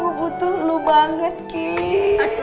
gua butuh lu banget kiki